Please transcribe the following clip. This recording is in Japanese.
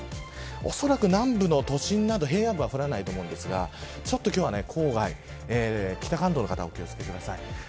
おそらく南部の都心など平野部は降らないと思うんですがちょっと今日は郊外北関東の方はお気を付けください。